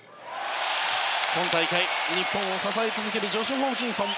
今大会、日本を支え続けるジョシュ・ホーキンソン。